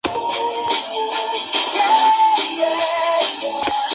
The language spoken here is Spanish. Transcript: En este periodo coincidió en la Escuela con Jacqueline Bechet-Ferber.